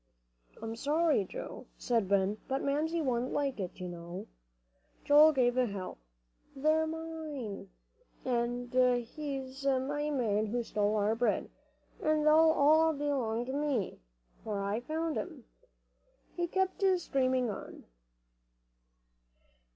"I'm sorry, Joe," said Ben, "but Mamsie wouldn't like it, you know." Joel gave a howl. "They're mine. And he's my man who stole our bread; an' they all b'long to me, for I found 'em." He kept screaming on.